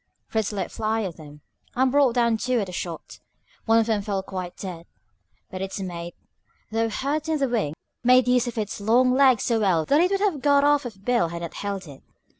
Fritz let fly at them, and brought down two at a shot. One of them fell quite dead, but its mate, though hurt in the wing, made use of its long legs so well that it would have got off if Bill had not held it.